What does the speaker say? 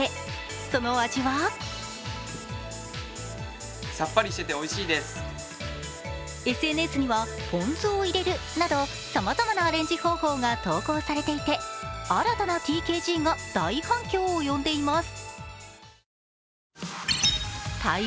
そのお味はＳＮＳにはポン酢を入れるなどさまざまなアレンジ方法が投稿されていて新たなＴＫＧが大反響を呼んでいます。